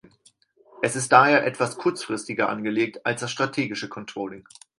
Es ist daher etwas kurzfristiger angelegt als das strategische Controlling.